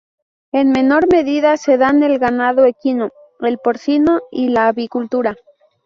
En menor medida se dan el ganado equino, el porcino y la avicultura.